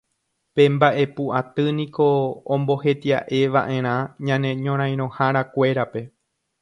Pe Mba'epu Aty niko omboheti'eva'erã ñane ñorairõharakuérape